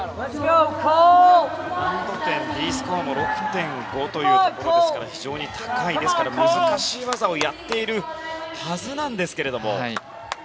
難度点、Ｄスコアも６．５というところですから非常に高く、難しい技をやっているはずなんですけども。